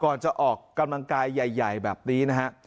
จะออกกำลังกายใหญ่แบบนี้นะฮะ